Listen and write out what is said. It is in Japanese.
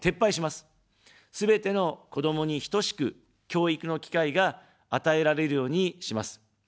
すべての子どもに等しく、教育の機会が与えられるようにします。